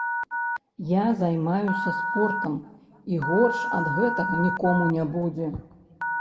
Я займаюся спортам, і горш ад гэтага нікому не будзе.